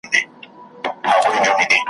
چي د پیغلوټو په ټالونو ښایستې وي وني `